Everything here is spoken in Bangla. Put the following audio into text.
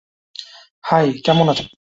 হাই, কেমন আছেন?